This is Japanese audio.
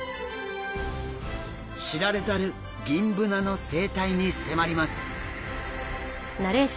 知られざるギンブナの生態に迫ります。